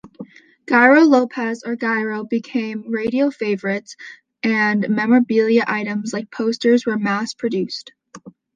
Giro Lopez or Giro became radio favorites, and memorabilia items like posters were mass-produced.